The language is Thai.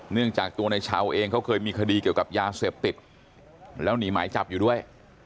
เนื่องจากตัวในเช้าเองเขาเคยมีคดีเกี่ยวกับยาเสพติดแล้วหนีหมายจับอยู่ด้วย